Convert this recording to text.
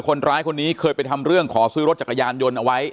คนร้ายคนนี้เคยไปทำเรื่องขอซื้อรถจักรยานยนต์เอาไว้